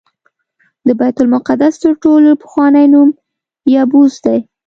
د بیت المقدس تر ټولو پخوانی نوم یبوس دی.